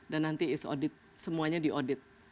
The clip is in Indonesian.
dan nanti semuanya di audit